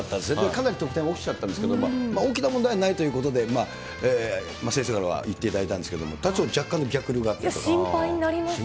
かなり得点落ちちゃったんですけれども、大きな問題はないということで、先生からは言っていただいたんですけど、若干の逆流があったりと心配になります。